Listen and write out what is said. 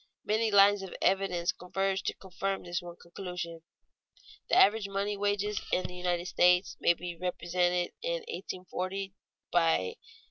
Many lines of evidence converge to confirm this one conclusion. The average money wages in the United States may be represented in 1840 by 87.